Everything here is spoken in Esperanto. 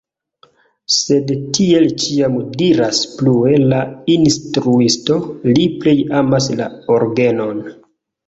Sed, tiel ĉiam diras plue la instruisto, li plej amas la orgenon.